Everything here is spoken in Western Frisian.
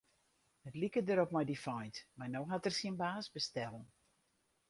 It like derop mei dy feint, mar no hat er syn baas bestellen.